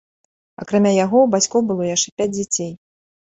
Акрамя яго, у бацькоў было яшчэ пяць дзяцей.